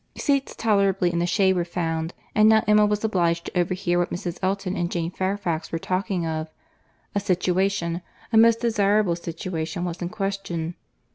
Seats tolerably in the shade were found; and now Emma was obliged to overhear what Mrs. Elton and Jane Fairfax were talking of.—A situation, a most desirable situation, was in question.